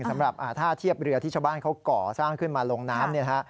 สำหรับท่าเทียบเรือที่ชาวบ้านเขาก่อสร้างขึ้นมาลงน้ำเนี่ยนะฮะ